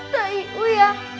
pak ibu ya